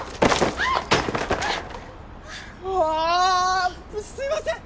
ああすいません！